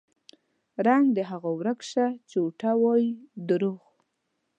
رنګ د هغو ورک شه چې اوټه وايي دروغ